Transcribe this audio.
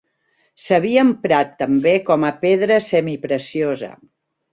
S'havia emprat també com a pedra semipreciosa.